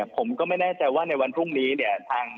ผมไม่แน่ใจว่าในวันพรุ่งนี้